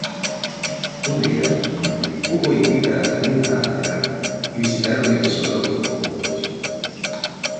Un día, Hugo invita a Tamina a cenar y visitaron el zoológico juntos.